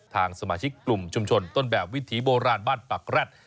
ทางสมาชิกกลุ่มชุมชนต้นแบบวิถีโบราณบ้านปักแร็ด